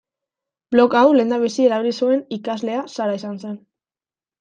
Blog hau lehenbizi erabili zuen ikaslea Sara izan zen.